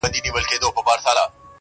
همېشه ګرځي په ډلو پر مردارو!